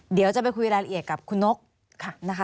เดี๋ยวจะไปคุยรายละเอียดกับคุณนกนะคะ